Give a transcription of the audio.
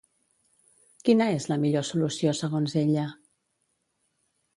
Quina és la millor solució segons ella?